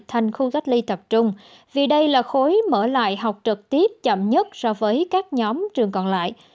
thành khu cách ly tập trung vì đây là khối mở lại học trực tiếp chậm nhất so với các nhóm trường còn lại